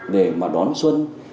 để mà đón xuân